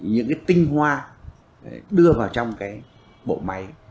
những tinh hoa đưa vào trong bộ máy